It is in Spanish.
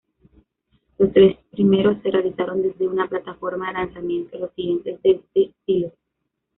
Los tres primeros se realizaron desde una plataforma de lanzamiento, los siguientes desde silos.